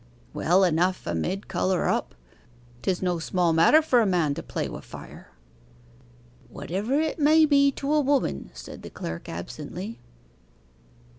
'Well enough 'a mid colour up. 'Tis no small matter for a man to play wi' fire.' 'Whatever it may be to a woman,' said the clerk absently.